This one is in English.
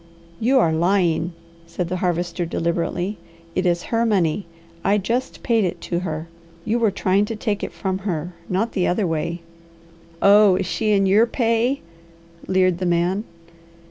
"You are lying," said the Harvester deliberately. "It is her money. I just paid it to her. You were trying to take it from her, not the other way." "Oh, she is in your pay?" leered the man.